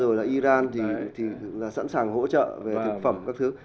rồi là iran thì là sẵn sàng hỗ trợ về thực phẩm các thứ